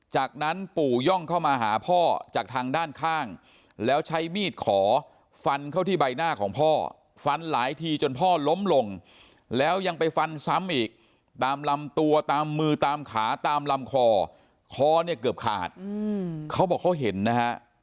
จากนั้นปู่ย่องเข้ามาหาพ่อจากทางด้านข้างแล้วใช้มีดขอฟันเข้าที่ใบหน้าของพ่อฟันหลายทีจนพ่อล้มลงแล้วยังไปฟันซ้ำอีกตามลำตัวตามมือตามขาตามลำคอคอเนี่ยเกือบขาดเขาบอกเขาเห็นนะฮะ